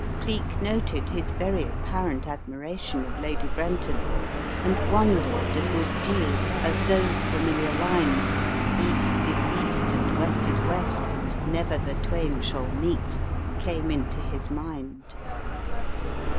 Cleek noted his very apparent admiration of Lady Brenton and wondered a good deal as those familiar lines, "East is East, and West is West, And never the twain shall meet." came into his mind.